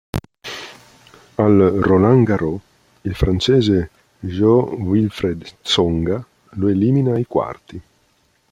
Al Roland Garros, il francese Jo-Wilfried Tsonga lo elimina ai quarti.